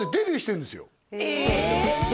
そうなんですよ